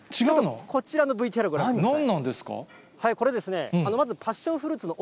こちらのＶＴＲご覧ください。